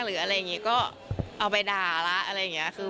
หรืออะไรอย่างนี้ก็เอาไปด่าแล้ว